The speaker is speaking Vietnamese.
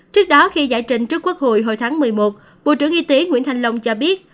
trước đó khi giải trình trước quốc hội hồi tháng một mươi một bộ trưởng y tế nguyễn thanh long cho biết